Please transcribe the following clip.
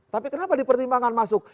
tapi kenapa di pertimbangan masuk